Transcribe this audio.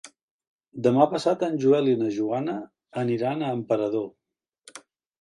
Demà passat en Joel i na Joana aniran a Emperador.